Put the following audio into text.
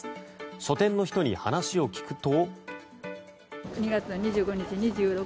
書店の人に話を聞くと。